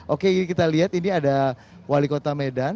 oke kita lihat ini ada wali kota medan